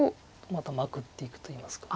またマクっていくといいますか。